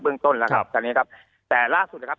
เบื้องต้นนะครับตอนนี้ครับแต่ล่าสุดนะครับ